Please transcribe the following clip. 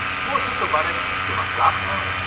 もうちょっとバレてますか。